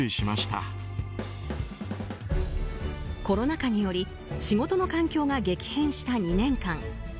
コロナ禍により仕事の環境が激変した２年間。